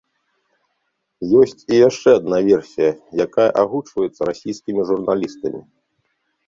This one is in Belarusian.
Ёсць і яшчэ адна версія, якая агучваецца расійскімі журналістамі.